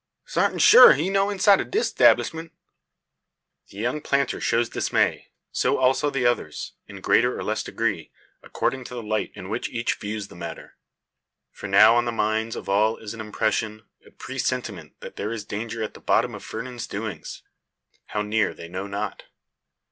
Sartin shoo he no inside o' dis 'tablishment." The young planter shows dismay. So also the others, in greater or less degree, according to the light in which each views the matter. For now on the minds of all is an impression, a presentiment, that there is danger at the bottom of Fernand's doings how near they know not.